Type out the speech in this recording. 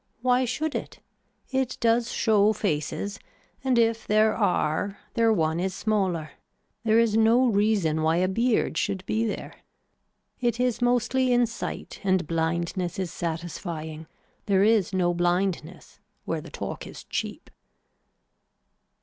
Why should it. It does show faces and if there are there one is smaller, there is no reason why a beard should be there. It is mostly in sight and blindness is satisfying. There is no blindness where the talk is cheap.